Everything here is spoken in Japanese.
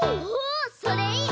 それいい！